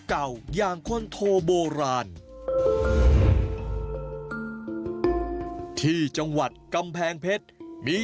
เก่าอย่างคนโทโบราณที่จังหวัดกำแพงเพชรมี